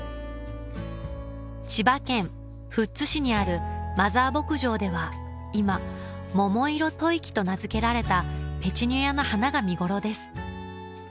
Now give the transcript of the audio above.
千葉県富津市にあるマザー牧場では今「桃色吐息」と名付けられたペチュニアの花が見頃です